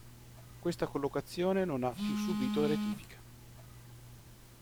Questa collocazione non ha più subito rettifiche.